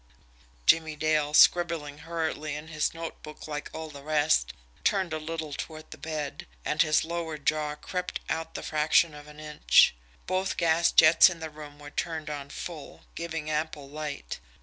Jimmie Dale, scribbling hurriedly in his notebook like all the rest, turned a little toward the bed, and his lower jaw crept out the fraction of an inch. Both gas jets in the room were turned on full, giving ample light.